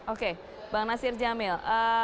oke bang nasir jamil